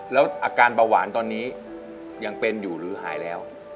แล้วอาการเบาหวานตอนนี้ยังเป็นอยู่หรือหายแล้ว